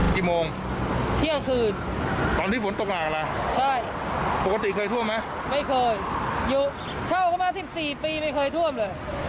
กี่โมงเที่ยงคืนตอนนี้ฝนตกหนักอะไรใช่ปกติเคยท่วมไหมไม่เคยอยู่เช่าประมาณสิบสี่ปีไม่เคยท่วมเลย